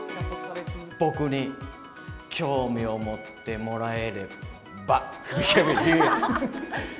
僕に興味を持ってもらえれば。